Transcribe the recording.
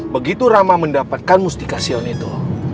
begitu rama mendapatkan mustikasion itu